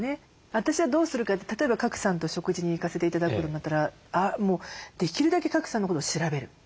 私はどうするかって例えば賀来さんと食事に行かせて頂くことになったらもうできるだけ賀来さんのことを調べる。